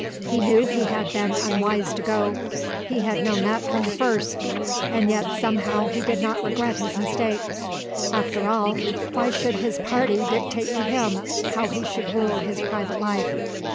He knew he had been unwise to go: he had known that from the first; and yet somehow he did not regret his mistake. After all, why should his party dictate to him how he should rule his private life?